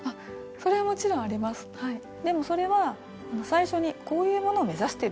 それはもちろんありますでもそれは最初に「こういうものを目指してるよね